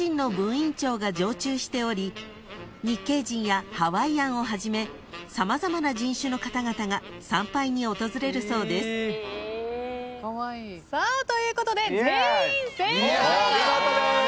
院長が常駐しており日系人やハワイアンをはじめ様々な人種の方々が参拝に訪れるそうです］ということで全員正解です！